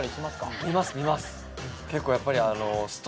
結構やっぱり。